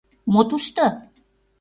— Мо тушто?